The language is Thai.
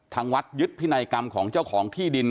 ทางวัดยึดพินัยกรรมของเจ้าของที่ดิน